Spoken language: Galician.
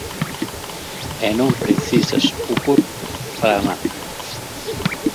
E non precisas o corpo para nada.